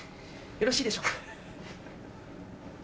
よろしいでしょうか？